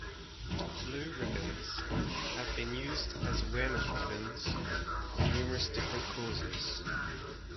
Blue ribbons have been used as awareness ribbons for numerous different causes.